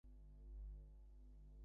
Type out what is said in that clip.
ঠিক, এবং কাঁধ উঁচু রেখে।